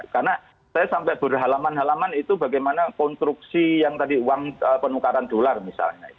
karena saya sampai berhalaman halaman itu bagaimana konstruksi yang tadi uang penukaran dolar misalnya